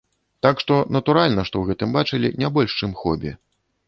Так што натуральна, што ў гэтым бачылі не больш чым хобі.